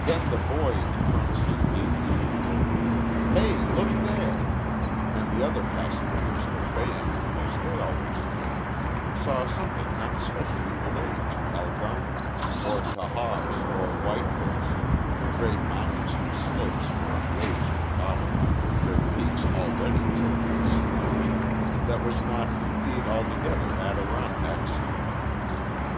Then the boy in the front seat gave his usual "Hey! look there!" and, the other passengers obeying, as they always did, saw something not especially related to Algonquin, or Tahawus, or Whiteface the great mountains whose slopes were ablaze with autumn, their peaks already tipped with snow that was not, indeed, altogether Adirondack scenery.